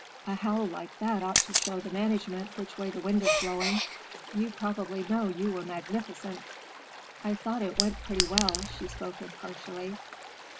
A howl like that ought to show the management which way the wind is blowing. You probably know you were magnificent." "I thought it went pretty well," she spoke impartially.